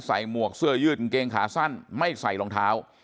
หมวกเสื้อยืดกางเกงขาสั้นไม่ใส่รองเท้า